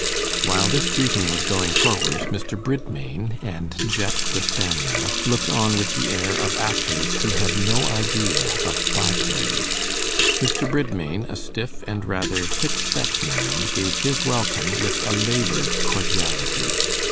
While this greeting was going forward, Mr. Bridmain, and Jet the spaniel, looked on with the air of actors who had no idea of by play. Mr. Bridmain, a stiff and rather thick set man, gave his welcome with a laboured cordiality.